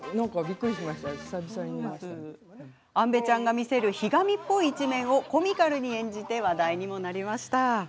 安部ちゃんが見せるひがみっぽい一面をコミカルに演じて話題にもなりました。